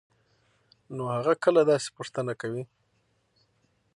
نو هغه کله داسې پوښتنه کوي؟؟